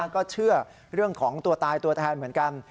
ก็เชื่อเรื่องของตัวตายตัวแทนเหมือนกัน